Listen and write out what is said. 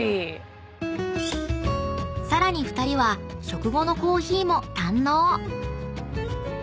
［さらに２人は食後のコーヒーも堪能］